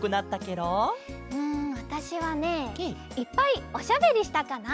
うんわたしはねいっぱいおしゃべりしたかな。